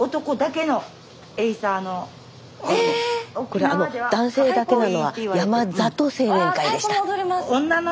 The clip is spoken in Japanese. これあの男性だけなのは「山里青年会」でした。